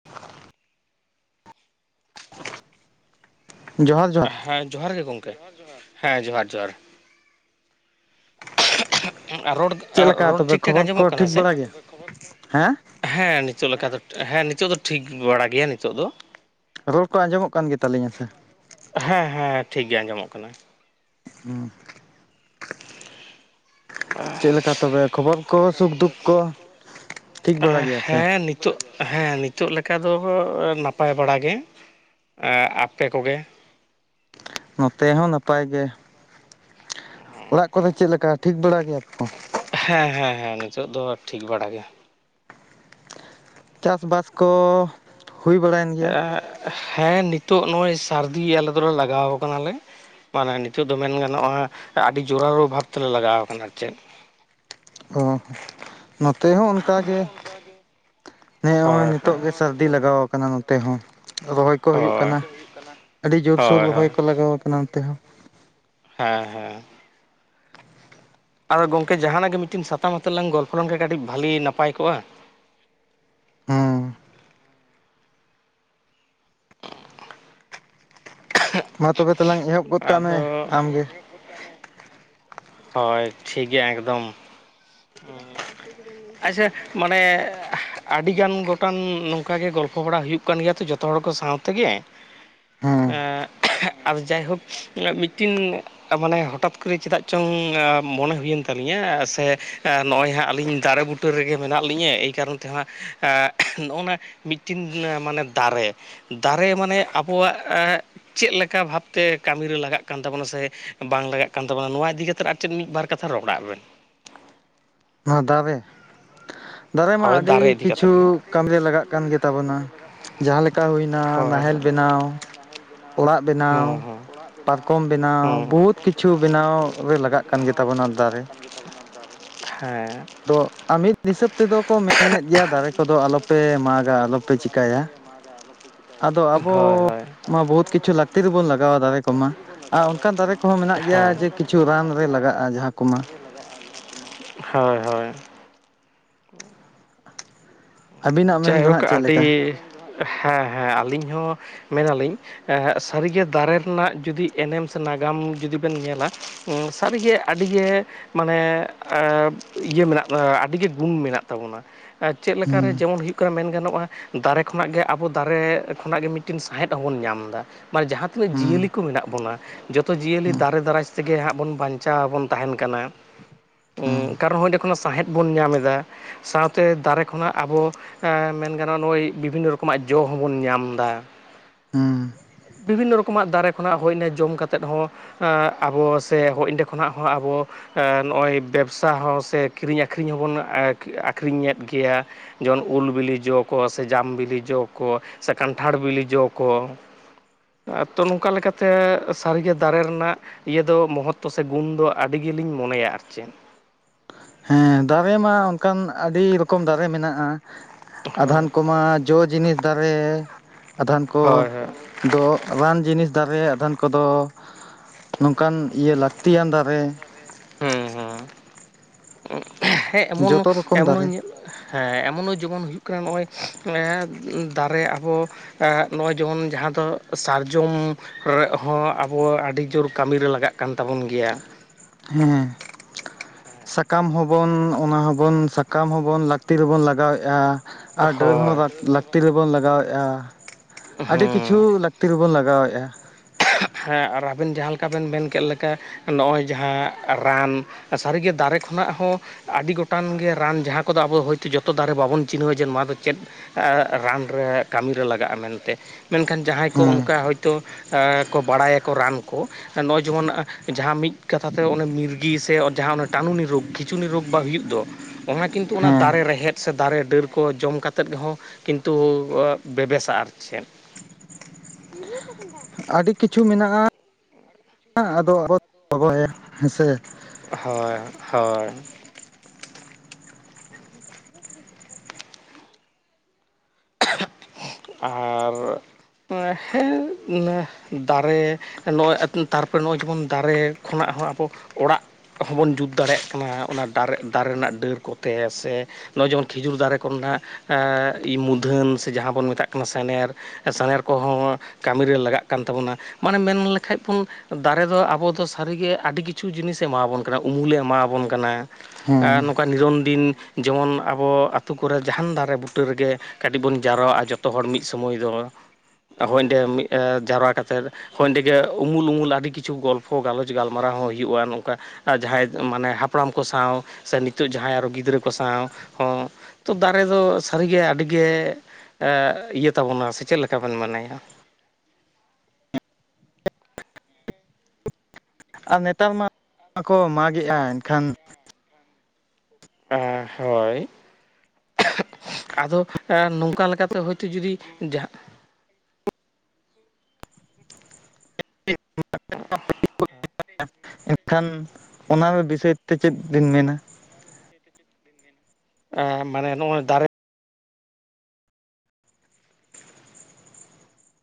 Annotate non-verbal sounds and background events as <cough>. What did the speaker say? <unintelligible> ᱡᱚᱦᱟᱨ ᱡᱚᱦᱟᱨ ᱦᱮᱸ ᱡᱚᱦᱟᱨ ᱜᱮ ᱜᱚᱢᱠᱮ, ᱦᱮᱸ ᱡᱚᱦᱟᱨ ᱡᱚᱦᱟᱨ᱾ ᱨᱳᱲ, ᱪᱮᱫ ᱞᱮᱠᱟ ᱨᱳᱲ ᱛᱚᱵᱮ ᱴᱷᱤᱠᱼ ᱴᱷᱟᱠ ᱠᱷᱚᱵᱚᱨ ᱟᱸᱡᱚᱢᱚᱜ ᱠᱚ ᱠᱟᱱᱟ ᱴᱷᱤᱠ ᱥᱮ? ᱵᱟᱲᱟ ᱜᱮᱭᱟ ᱦᱮᱸ ᱦᱮᱸ ᱱᱤᱛᱚᱜ ᱞᱮᱠᱟ ᱫᱚ ᱦᱮᱸ ᱱᱤᱛᱚᱜ ᱫᱚ ᱴᱷᱤᱠ ᱵᱟᱲᱟ ᱜᱮᱭᱟ ᱱᱤᱛᱚᱜ ᱫᱚ᱾ ᱨᱚᱲ ᱠᱚ ᱟᱸᱡᱚᱢᱚᱜ ᱠᱟᱱ ᱜᱮᱛᱟᱞᱤᱧᱟ ᱥᱮ? ᱦᱮᱸ ᱦᱮᱸ ᱴᱷᱤᱠ ᱜᱮ ᱟᱸᱡᱚᱢᱚᱜ ᱠᱟᱱᱟ᱾ ᱦᱩᱸ᱾ ᱪᱮᱫ ᱞᱮᱠᱟ ᱛᱚᱵᱮ ᱠᱷᱚᱵᱚᱨ ᱠᱚ ᱥᱩᱠ ᱫᱩᱠ ᱠᱚ ᱴᱷᱤᱠ ᱵᱟᱲᱟ ᱜᱮᱭᱟ ᱥᱮ ᱦᱮᱸ ᱱᱤ ᱱᱤᱛᱚᱜ ᱦᱮᱸ ᱱᱤᱛᱚᱜ ᱞᱮᱠᱟ ᱫᱚ ᱱᱟᱯᱟᱭ ᱵᱟᱲᱟ ᱜᱮ ᱟᱯᱮ ᱠᱚᱜᱮ? ᱱᱚᱛᱮ ᱦᱚᱸ ᱱᱟᱯᱟᱭ ᱜᱮ ᱚᱲᱟᱜ ᱠᱚᱫᱚ ᱪᱮᱫ ᱞᱮᱠᱟ ᱴᱷᱤᱠ ᱵᱟᱲᱟ ᱜᱮᱭᱟ ᱛᱚ? ᱦᱮᱸ ᱦᱮᱸ ᱦᱮᱸ ᱱᱤᱛᱳᱜ ᱫᱚ ᱴᱷᱤᱠ ᱵᱟᱲᱟ ᱜᱮ᱾ ᱪᱟᱥᱵᱟᱥ᱾ ᱠᱚ ᱦᱩᱭ ᱵᱟᱲᱟᱭᱮᱱ ᱜᱮᱭᱟ ᱮᱻ ᱦᱮᱸ ᱱᱤᱛᱚᱜ ᱱᱚᱜᱼᱚᱭ ᱥᱟᱹᱨᱫᱤ ᱟᱞᱮ ᱫᱚᱞᱮ ᱞᱟᱜᱟᱣ ᱠᱟᱱᱟᱞᱮ᱾ ᱢᱟᱱᱮ ᱱᱤᱛᱚᱜ ᱫᱚ ᱢᱮᱱ ᱜᱟᱱᱚᱜᱼᱟ ᱟᱹᱰᱤ ᱡᱳᱨᱟᱞᱳ ᱵᱷᱟᱵ ᱛᱮᱞᱮ ᱞᱟᱜᱟᱣ ᱠᱟᱱᱟ ᱟᱨ ᱪᱮᱫ᱾ ᱚᱻ ᱱᱚᱛᱮ ᱦᱚᱸ ᱚᱱᱠᱟ ᱜᱮ ᱱᱚᱜᱚᱭ ᱦᱚᱸ ᱱᱤᱛᱚᱜ ᱜᱮ ᱥᱟᱹᱨᱫᱤ ᱞᱟᱜᱟᱣ ᱠᱟᱱᱟ ᱱᱚ ᱚᱱᱛᱮ ᱦᱚᱸ ᱨᱚᱦᱚᱭ ᱠᱚ ᱦᱚᱸ ᱦᱳᱭᱳᱜ ᱦᱳᱭ ᱠᱟᱱᱟ ᱟᱹᱰᱤ ᱡᱳᱨᱥᱳᱨ ᱦᱳᱭ ᱨᱚᱦᱚᱭ ᱦᱳᱭ ᱠᱚ ᱞᱟᱜᱟᱣ ᱠᱟᱱᱟ ᱚᱱᱛᱮ ᱦᱚᱸ᱾ ᱦᱮᱸ ᱦᱮᱸ᱾ ᱟᱫᱚ ᱜᱚᱝᱠᱮ ᱡᱟᱦᱟᱱᱟᱜ ᱜᱮ ᱢᱤᱫᱴᱮᱱ ᱥᱟᱛᱟᱢ ᱟᱛᱮᱫ ᱞᱟᱝ ᱜᱚᱞᱯᱚ ᱞᱮᱱᱠᱷᱟᱱ ᱠᱟᱹᱴᱤᱡ ᱵᱷᱟᱞᱤ ᱱᱟᱯᱟᱭ ᱠᱚᱜᱼᱟ᱾ ᱦᱮᱸ ᱢᱟ ᱛᱚᱵᱮ ᱛᱟᱞᱟᱝ ᱮᱦᱚᱵ ᱜᱚᱫ ᱠᱟᱜ ᱢᱮ ᱟᱫᱚ ᱟᱢᱜᱮ᱾ ᱦᱳᱭ ᱴᱷᱤᱠ ᱜᱮᱭᱟ ᱮᱠᱫᱚᱢ ᱩᱸ ᱟᱪᱪᱷᱟ ᱢᱟᱱᱮ ᱟᱹᱰᱤᱜᱟᱱ ᱜᱚᱴᱟᱝ ᱱᱚᱝᱠᱟ ᱜᱮ ᱜᱚᱞᱯᱚ ᱵᱟᱲᱟ ᱦᱩᱭᱩᱜ ᱠᱟᱱ ᱜᱮᱭᱟ ᱛᱚ ᱡᱚᱛᱚ ᱦᱚᱲ ᱠᱚ ᱥᱟᱶᱛᱮᱜᱮ, ᱦᱮᱸ ᱟᱫᱚ ᱡᱟᱭᱦᱳᱠ ᱟᱜ ᱢᱤᱴᱤᱱ ᱟᱻ ᱢᱟᱱᱮ ᱦᱚᱴᱟᱛ ᱠᱚᱨᱮ ᱪᱮᱫᱟᱜ ᱪᱚᱝ ᱢᱚᱱᱮ ᱦᱩᱭᱮᱱ ᱛᱟᱹᱞᱤᱧᱟ ᱥᱮ ᱱᱚᱜᱼᱚᱭ ᱦᱟᱸᱜ ᱟᱞᱤᱧ ᱫᱟᱨᱮ ᱵᱩ ᱵᱩᱴᱟᱹ ᱨᱮᱜᱮ ᱢᱮᱱᱟᱜ ᱞᱤᱧᱟᱹ ᱮᱭ ᱠᱟᱨᱚᱱ ᱛᱮᱦᱟᱜᱸ ᱟᱜ ᱱᱚᱜᱼᱚ ᱱᱟ ᱢᱤᱴᱤᱱ ᱢᱟᱱᱮ ᱫᱟᱨᱮ ᱫᱟᱨᱮ ᱢᱟᱱᱮ ᱟᱵᱚᱣᱟᱜ ᱪᱮᱫ ᱞᱮᱠᱟ ᱵᱷᱟᱵᱽᱛᱮ ᱠᱟᱹᱢᱤᱨᱮ ᱞᱟᱜᱟᱜ ᱠᱟᱱ ᱛᱟᱵᱚᱱᱟ ᱥᱮ ᱵᱟᱝ ᱞᱟᱜᱟᱜ ᱠᱟᱱ ᱛᱟᱵᱚᱱᱟ ᱱᱚᱣᱟ ᱤᱫᱤ ᱠᱟᱛᱮᱫ ᱟᱨ ᱪᱮᱫ ᱢᱤᱫ ᱵᱟᱨ ᱠᱟᱛᱷᱟ ᱨᱚᱲᱟᱜ ᱵᱮᱱ? ᱱᱚᱣᱟ ᱫᱟᱨᱮ, ᱫᱟᱨᱮ ᱢᱟ ᱦᱳᱭ ᱟᱹᱰᱤ ᱤᱫᱤ ᱠᱟᱛᱮᱫ ᱠᱤᱪᱷᱩ ᱜᱮ ᱠᱟᱹᱢᱤ ᱨᱮ ᱞᱟᱜᱟᱜ ᱠᱟᱱ ᱜᱮᱛᱟᱵᱚᱱᱟ ᱡᱟᱦᱟᱸ ᱞᱮᱠᱟ ᱦᱩᱭᱱᱟ ᱛᱟᱵᱚᱱᱟ ᱦᱳᱭ ᱱᱟᱦᱮᱞ ᱵᱮᱱᱟᱣ ᱚᱲᱟᱜ ᱱᱟᱦᱮᱞ ᱵᱮᱱᱟᱣ, ᱦᱮᱸ ᱦᱮᱸ ᱚᱲᱟᱜ ᱯᱟᱨᱠᱚᱢ ᱵᱮᱱᱟᱣ, ᱵᱚᱦᱩᱛ ᱠᱤᱪᱷᱩ ᱵᱮᱱᱟᱣ ᱨᱮ ᱞᱟᱜᱟᱜ ᱠᱟᱱ ᱜᱮᱛᱟᱵᱚᱱᱟ ᱫᱟᱨᱮ᱾ <inaudible> ᱫᱟᱨᱮ ᱦᱮᱸ ᱛᱚ ᱟ ᱢᱤᱫ ᱦᱤᱥᱟᱹᱵ ᱛᱮᱫᱚ ᱠᱚ ᱢᱮᱱᱮᱫ ᱜᱮᱭᱟ ᱫᱟᱨᱮ ᱠᱚᱫᱚ ᱟᱞᱚᱯᱮ ᱢᱟᱜᱟ ᱟᱞᱚᱯᱮ ᱪᱤᱠᱟᱹᱭᱟ᱾ ᱟᱫᱚ ᱟᱵᱚ ᱦᱳᱭ ᱦᱳᱭ ᱦᱳᱭ ᱢᱟ ᱵᱚᱦᱩᱛ ᱠᱤᱪᱷᱩ ᱞᱟᱹᱠᱛᱤ ᱨᱮᱵᱚ ᱞᱟᱜᱟᱣᱟ ᱫᱟᱨᱮ ᱠᱚᱢᱟ᱾ ᱟᱨ ᱚᱱᱠᱟᱱ ᱫᱟᱨᱮ ᱠᱚᱦᱚᱸ ᱢᱮᱱᱟᱜ ᱜᱮᱭᱟ ᱡᱮ ᱠᱤᱪᱷᱩ ᱨᱟᱱ ᱨᱮ ᱞᱟᱜᱟᱜᱼᱟ ᱡᱟᱦᱟᱸ ᱠᱚᱢᱟ᱾ ᱹᱹᱹᱦᱳᱭ ᱦᱳᱭ ᱟᱹᱵᱤᱱᱟᱜ ᱢᱮᱱ ᱫᱚ ᱦᱟᱸᱜ ᱡᱟᱭᱦᱳᱠ ᱪᱮᱫ ᱞᱮᱠᱟ ᱟᱹᱰᱤ ᱦᱮᱸ ᱦᱮᱸ ᱟᱹᱞᱤᱧ ᱦᱚᱸ ᱢᱮᱱᱟᱞᱤᱧ᱾ ᱮ ᱦᱟᱸᱜ ᱥᱟᱹᱨᱤᱜᱮ ᱫᱟᱨᱮ ᱨᱮᱱᱟᱜ ᱡᱩᱫᱤ ᱮᱱᱮᱢ ᱥᱮ ᱱᱟᱜᱟᱢ ᱡᱩᱫᱤ ᱵᱮᱱ ᱧᱮᱞᱟᱼᱼ ᱚᱸ ᱥᱟᱹᱨᱤᱜᱮ ᱟᱹᱰᱤᱜᱮ ᱢᱟᱱᱮ ᱟᱸ ᱤᱭᱟᱹ ᱢᱮᱱᱟᱜ ᱟᱹᱰᱤᱜᱮ ᱜᱩᱱ ᱢᱮᱱᱟᱜ ᱛᱟᱵᱚᱱᱟ᱾ ᱪᱮᱫ ᱞᱮᱠᱟ ᱨᱮ ᱦᱩᱸ ᱡᱮᱢᱚᱱ ᱦᱩᱭᱩᱜ, ᱚᱠᱟ ᱢᱮᱱ ᱜᱟᱱᱚᱜᱼᱟ ᱫᱟᱨᱮ ᱠᱷᱚᱱᱟᱜ ᱜᱮ ᱟᱵᱚ ᱫᱟᱨᱮ ᱠᱷᱚᱱᱟᱜ ᱜᱮ ᱢᱤᱫᱴᱤᱱ ᱥᱟᱸᱦᱮᱫ ᱦᱚᱸᱵᱚᱱ ᱧᱟᱢ ᱫᱟ᱾ ᱢᱟᱱᱮ ᱡᱟᱦᱟᱸᱼᱼ ᱛᱤᱱᱟᱹᱜ ᱦᱩᱸ ᱡᱤᱭᱟᱹᱞᱤ ᱠᱚ ᱢᱮᱱᱟᱜ ᱵᱚᱱᱟ ᱡᱚᱛᱚ ᱡᱤᱭᱟᱹᱞᱤ ᱦᱩᱸ ᱫᱟᱨᱮ ᱫᱟᱨᱟᱭᱼᱼ ᱛᱮᱜᱮ ᱦᱟᱸᱜ ᱵᱚᱱ ᱵᱟᱧᱪᱟᱣ ᱵᱚᱱ ᱛᱟᱦᱮᱱ ᱠᱟᱱᱟ ᱦᱩᱸ ᱚᱸᱜ ᱠᱟᱨᱚᱱ ᱦᱚᱸ ᱚᱸᱰᱮ ᱠᱷᱚᱱᱟᱜ ᱥᱟᱸᱦᱮᱫᱼᱼ ᱵᱚᱱ ᱧᱟᱢ ᱮᱫᱟ ᱥᱟᱶᱛᱮ ᱫᱟᱨᱮᱼᱼ ᱠᱷᱚᱱᱟᱜ ᱟᱵᱚ ᱻᱟ ᱢᱮᱱ ᱜᱟᱱᱚᱜᱼᱟ ᱱᱚᱜᱼᱚᱭ ᱵᱤᱵᱷᱤᱱᱱᱚ ᱨᱚᱠᱚᱢᱟᱜ ᱡᱚ ᱦᱚᱸᱵᱚᱱ ᱧᱟᱢ ᱫᱟ᱾ ᱦᱩᱸ ᱵᱤᱵᱷᱤᱱᱱᱚ ᱨᱚᱠᱚᱢᱟᱜ ᱫᱟᱨᱮ ᱠᱷᱚᱱᱟᱜ ᱦᱚᱸᱭᱱᱮ ᱡᱚᱢ ᱠᱟᱛᱮ ᱦᱚᱸᱼᱼ ᱟᱜ ᱟᱵᱚ ᱥᱮ ᱦᱚᱸ ᱮᱸᱰᱮ ᱠᱷᱚᱱᱟᱜ ᱦᱚᱸ ᱟᱵᱚ᱾ ᱟ ᱱᱚᱜᱼᱚᱭ ᱵᱮᱵᱥᱟ ᱦᱚᱸ ᱥᱮ ᱠᱤᱨᱤᱧ ᱟᱠᱷᱨᱤᱧ ᱦᱚᱸᱵᱚᱱ ᱟᱠ ᱟᱠᱷᱨᱤᱧᱮᱫ ᱜᱮᱭᱟ᱾ ᱡᱚᱱ ᱩᱞ ᱵᱤᱞᱤ ᱡᱚ ᱠᱚ ᱥᱮ ᱡᱟᱢ ᱵᱤᱞᱤ ᱡᱚ ᱠᱚ ᱥᱮ ᱠᱟᱱᱴᱷᱟᱲ ᱵᱤᱞᱤ ᱡᱚ ᱠᱚ ᱛᱚ ᱱᱚᱝᱠᱟ ᱞᱮᱠᱟᱛᱮ ᱥᱟᱹᱨᱤᱜᱮ ᱫᱟᱨᱮ ᱨᱮᱱᱟᱜᱼᱼ ᱤᱭᱟᱹ ᱫᱚ ᱢᱚᱦᱚᱛᱛᱚ ᱥᱮ ᱜᱩᱱ ᱫᱚ ᱟᱹᱰᱤ ᱜᱮᱞᱤᱧ ᱢᱚᱱᱮᱛᱮ ᱟᱨ ᱪᱮ᱾ ᱦᱮᱸ ᱫᱟᱨᱮ ᱢᱟ ᱚᱱᱠᱟᱱ ᱨᱚᱠᱚᱢ ᱫᱟᱨᱮ ᱢᱮᱱᱟᱜᱼᱟ᱾ ᱟᱫᱚ ᱦᱳᱭ ᱦᱟᱱᱠᱳ ᱢᱟ ᱡᱚ ᱡᱤᱱᱤᱥ ᱫᱟᱨᱮ ᱟᱫᱚ ᱦᱟᱱᱠᱳ ᱦᱳᱭ ᱦᱳᱭ ᱠᱚ᱾ ᱫᱚ ᱨᱟᱱ ᱡᱤᱱᱤᱥ ᱫᱟᱨᱮ ᱟᱫᱚᱱᱠᱚᱫᱚ ᱾ ᱱᱚᱝᱠᱟᱱ ᱤᱭᱟᱹ ᱞᱟᱹᱠᱛᱤᱭᱟᱱ ᱫᱟᱨᱮ᱾ ᱦᱚᱸ ᱦᱚᱸ ᱦᱮᱜᱸ ᱮᱢᱚᱱ ᱡᱚᱛᱚ ᱨᱚᱠᱚᱢ ᱮᱢᱚᱱ ᱫᱟᱨᱮ ᱦᱚᱸ ᱧᱮᱞᱢᱮ ᱦᱮᱸ ᱮᱢᱚᱱᱚ ᱡᱮᱢᱚᱱ ᱦᱩᱭᱩᱜ ᱠᱟᱱᱟ ᱱᱚᱜᱼᱚᱭ ᱻᱮ ᱫᱟᱨᱮ ᱟᱵᱚ᱾ ᱟᱜ ᱱᱚ ᱡᱚᱱ ᱡᱟᱦᱟᱸ ᱫᱚ ᱥᱟᱨᱡᱚᱢ ᱦᱮ ᱦᱚᱸ ᱟᱵᱚ ᱟᱹᱰᱤ ᱡᱳᱨ ᱠᱟᱹᱢᱤᱨᱮ ᱞᱟᱜᱟᱜ ᱠᱟᱱ ᱛᱟᱵᱚᱱ ᱜᱮᱭᱟ᱾ ᱦᱮᱸ ᱥᱟᱠᱟᱢ ᱦᱚᱸᱵᱚᱱ ᱚᱱᱟ ᱦᱚᱸᱵᱟᱱ ᱥᱟᱠᱟᱢ ᱦᱚᱸᱵᱚᱱ ᱞᱟᱹᱠᱛᱤ ᱨᱮᱵᱚᱱ ᱞᱟᱜᱟᱣᱮᱜᱼᱟ᱾ ᱟᱨ ᱰᱟᱹᱨ ᱦᱚᱸ ᱦᱳᱭ ᱨᱟᱠ ᱞᱟᱹᱠᱛᱤ ᱨᱮᱵᱚ ᱞᱟᱜᱟᱣᱮᱜ ᱼᱟ᱾ ᱟᱹᱰᱤ ᱠᱤᱪᱷᱩ ᱞᱟᱹᱠᱛᱤ ᱦᱚᱵᱚᱱ ᱞᱟᱜᱟᱣᱮᱜᱼᱟ᱾ ᱟᱦ ᱦᱟᱜ ᱦᱮᱸ ᱟᱨᱚ ᱟᱵᱮᱱ ᱡᱟᱦᱟᱸ ᱞᱮᱠᱟ ᱵᱮᱱ ᱢᱮᱱ ᱠᱮᱫ ᱞᱮᱠᱟ ᱱᱚᱜᱼᱚᱭ ᱡᱟᱦᱟᱸ ᱨᱟᱱᱼᱼ ᱟ ᱥᱟᱹᱨᱤᱜᱮ ᱫᱟᱨᱮ ᱠᱷᱚᱱᱟᱜ ᱦᱚᱸ᱾ ᱟᱹᱰᱤ ᱜᱚᱴᱟᱝ ᱜᱮ ᱨᱟᱱ ᱡᱟᱦᱟᱸ ᱠᱚᱫᱚ ᱟᱵᱚ ᱦᱚᱭᱛᱳ ᱡᱚᱛᱚ ᱫᱟᱨᱮ ᱵᱟᱵᱚᱱ ᱪᱤᱱᱦᱟᱹᱣᱣᱟ ᱡᱮ ᱱᱚᱣᱟ ᱫᱚ ᱪᱮᱫ᱾ ᱟ ᱨᱟᱱ ᱨᱮ ᱠᱟᱹᱢᱤᱨᱮ ᱞᱟᱜᱟᱜᱼᱟ ᱢᱮᱱᱛᱮ ᱢᱮᱱᱠᱷᱟᱱ ᱡᱟᱦᱟᱸᱭ ᱠᱚ ᱦᱮᱸ ᱚᱱᱠᱟ ᱦᱳᱭᱛᱳ᱾ ᱮᱻᱠᱚ ᱵᱟᱲᱟᱭᱟᱠᱚ ᱨᱟᱱ ᱠᱚ᱾ ᱱᱚᱜᱼᱚᱭ ᱡᱮᱢᱚᱱ ᱡᱟᱦᱟᱸ ᱢᱤᱫ ᱠᱟᱛᱷᱟ ᱛᱮ ᱚᱱ ᱢᱤᱨᱜᱤ ᱥᱮ ᱡᱟᱦᱟᱸ ᱚᱱᱟ ᱴᱟᱱᱩᱱᱤ ᱨᱳᱜᱽ᱾ ᱠᱷᱤᱪᱩᱱᱤ ᱨᱳᱜᱽ ᱵᱟᱝ ᱦᱩᱭᱩᱜ ᱫᱚ ᱚᱱᱟ ᱠᱤᱱᱛᱩ ᱚᱱᱟ ᱦᱮᱸ ᱫᱟᱨᱮ ᱨᱮᱦᱮᱫ᱾ ᱥᱮ ᱫᱟᱨᱮ ᱰᱟᱹᱨ ᱠᱚ ᱡᱚᱢ ᱠᱟᱛᱮᱫ ᱜᱮᱦᱚᱸ ᱠᱤᱱᱛᱩ ᱵᱮᱵᱮᱥᱟ ᱟᱨ ᱪᱮᱫ᱾ <inaudible> ᱟᱹᱰᱤ ᱠᱤᱪᱷᱩ ᱢᱮᱱᱟᱜᱼᱟ᱾ ᱟᱫᱚ ᱟᱵᱚ <unintelligible> ᱜᱚᱜᱚᱭᱟ ᱦᱮᱸᱥᱮ? ᱦᱚᱭ ᱦᱳᱭ ᱟᱨ ᱦᱮᱸ ᱮᱻᱫᱟᱨᱮ᱾ ᱱᱚᱜᱼᱚᱭ <unintelligible> ᱛᱟᱨᱯᱚᱨᱮ ᱱᱚᱜᱼᱚᱭ ᱡᱮᱢᱚᱱ ᱫᱟᱨᱮ ᱠᱷᱚᱱᱟᱜ ᱦᱚᱸ ᱟᱵᱚ ᱚᱲᱟᱜ ᱦᱚᱸᱵᱚᱱ ᱡᱩᱛ ᱫᱟᱲᱮᱭᱟᱜ ᱠᱟᱱᱟ ᱚᱱᱟ ᱫᱟᱨᱮ ᱫᱟᱨᱮ ᱨᱮᱱᱟᱜ ᱰᱟᱹᱨ ᱠᱚᱛᱮ ᱥᱮ ᱱᱚᱜᱼᱚᱭ ᱡᱮᱢᱚᱱ ᱠᱷᱤᱡᱩᱨ ᱫᱟᱨᱮ ᱠᱚᱨᱮᱱᱟᱜ ᱢᱩᱫᱷᱟᱹᱱ ᱥᱮ ᱡᱟᱦᱟᱸ ᱵᱚᱱ ᱢᱮᱛᱟᱜ ᱠᱟᱱᱟ ᱥᱮᱱᱮᱨ᱾ ᱥᱮᱱᱮᱨ ᱠᱚᱦᱚᱸ ᱠᱟᱹᱢᱤᱨᱮ ᱞᱟᱜᱟᱜ ᱠᱟᱱ ᱛᱟᱵᱚᱱᱟ ᱢᱟᱱᱮ ᱢᱮᱱ ᱞᱮᱠᱷᱟᱡ ᱵᱚᱱ, ᱫᱟᱨᱮ ᱫᱚ ᱟᱵᱚ ᱫᱚ ᱥᱟᱹᱨᱤᱜᱮ ᱟᱹᱰᱤ ᱠᱤᱪᱷᱩ ᱡᱤᱱᱤᱥᱮ ᱮᱢᱟᱵᱚᱱ ᱠᱟᱱᱟ ᱩᱢᱩᱞᱮ ᱮᱢᱟᱵᱚᱱ ᱠᱟᱱᱟ᱾ ᱦᱮᱸ ᱱᱚᱝᱠᱟ ᱱᱤᱨᱚᱱᱫᱤᱱ ᱡᱮᱢᱚᱱ ᱟᱵᱚ ᱟᱹᱛᱳ ᱠᱚᱨᱮ ᱡᱟᱦᱟᱱ ᱫᱟᱨᱮ ᱵᱩᱴᱟᱹ ᱨᱮᱜᱮ᱾ ᱠᱟᱹᱴᱤᱡ ᱵᱚᱱ ᱡᱟᱣᱨᱟᱜᱼᱟ ᱡᱚᱛᱚ ᱦᱚᱲ ᱢᱤᱫ ᱥᱚᱢᱚᱭ ᱫᱚ ᱦᱳᱭ ᱚᱸᱰᱮ <unintelligible> ᱡᱟᱣᱨᱟ ᱠᱟᱛᱮᱫ, ᱦᱚᱭ ᱮᱸᱰᱮᱜᱮ ᱩᱢᱩᱞ-ᱩᱢᱩᱞ ᱟᱹᱰᱤ ᱠᱤᱪᱷᱩ ᱜᱚᱞᱯᱷᱚ ᱜᱟᱞᱚᱪ ᱜᱟᱞᱢᱟᱨᱟᱣ ᱦᱚᱸ ᱦᱩᱭᱩᱜᱼᱟ ᱱᱚᱝᱠᱟ᱾ ᱡᱟᱦᱟᱸᱭ ᱢᱟᱱᱮ ᱦᱟᱯᱲᱟᱢ ᱠᱚ ᱥᱟᱶ ᱥᱮ ᱱᱤᱛᱚᱜ ᱡᱟᱦᱟᱸᱭ ᱟᱨᱚ ᱜᱤᱫᱽᱨᱟᱹ ᱠᱚ ᱥᱟᱶ ᱦᱚᱸ᱾ ᱛᱚ ᱫᱟᱨᱮ ᱫᱚ ᱥᱟᱹᱨᱤᱜᱮ ᱟᱹᱰᱤᱜᱮ ᱤᱭᱟᱹ ᱮᱸ ᱮᱭᱟᱹ ᱛᱟᱵᱚᱱᱟ ᱥᱮ ᱪᱮᱫ ᱞᱮᱠᱟᱵᱚᱱ ᱢᱚᱱᱮᱭᱟ? ᱟᱨ ᱱᱮᱛᱟᱨ ᱢᱟ ᱢᱟᱠᱚ ᱢᱟᱜᱮᱫᱼᱟ ᱮᱱᱠᱷᱟᱱᱼ ᱮᱻᱦᱳᱭ᱾ <unintelligible> ᱟᱫᱚ ᱮ ᱱᱚᱝᱠᱟ ᱞᱮᱠᱟᱛᱮ ᱦᱳᱭᱛᱳ ᱡᱩᱫᱤ ᱡᱟᱦᱟᱸ <unintelligible> <inaudible> ᱮᱱᱠᱷᱟᱱ ᱚᱱᱟ ᱵᱤᱥᱚᱭ ᱛᱮ ᱪᱮᱫ ᱵᱤᱱ ᱢᱮᱱᱟ? <inaudible> <unintelligible> ᱵᱤᱱ ᱢᱮᱱᱟ᱾ ᱮ ᱢᱟᱱᱮ ᱱᱚᱜᱼᱚᱭ ᱫᱟᱨᱮ